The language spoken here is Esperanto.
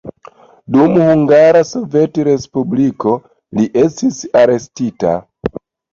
Dum Hungara Sovetrespubliko li estis arestita.